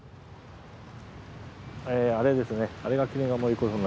えあれですね。